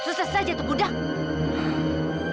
susah saja itu kudang